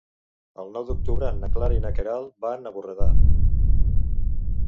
El nou d'octubre na Clara i na Queralt van a Borredà.